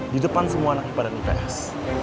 di depan semua anak anak pada nps